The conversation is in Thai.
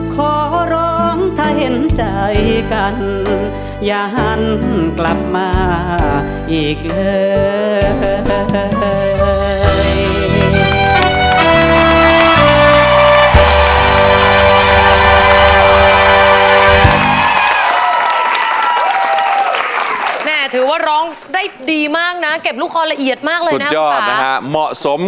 ขอร้องถ้าเห็นใจกันอย่าหันกลับมาอีกเลย